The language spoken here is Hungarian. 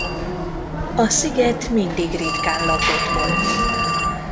A sziget mindig ritkán lakott volt.